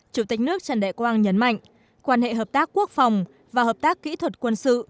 chủ tịch nước trần đại quang nhấn mạnh quan hệ hợp tác quốc phòng và hợp tác kỹ thuật quân sự